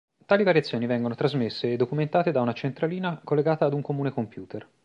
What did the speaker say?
Tali variazioni vengono trasmesse e documentate da una centralina collegata ad un comune computer.